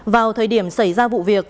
vào thời điểm xảy ra vụ việc